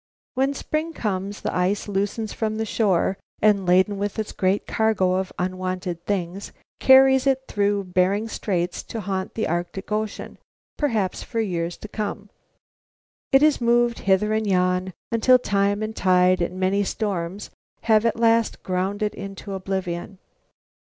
When spring comes the ice loosens from the shore, and, laden with its great cargo of unwanted things, carries it through Bering Straits to haunt the Arctic Ocean, perhaps for years to come. It is moved hither and yon until time and tide and many storms have at last ground it into oblivion.